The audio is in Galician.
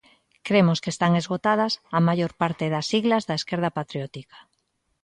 Cremos que están esgotadas a maior parte das siglas da esquerda patriótica.